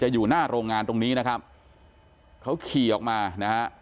อยู่หน้าโรงงานตรงนี้นะครับเขาขี่ออกมานะฮะ